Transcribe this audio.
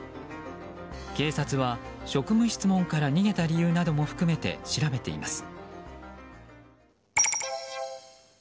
警察は、職務質問から逃げた理由なども含めて調べています。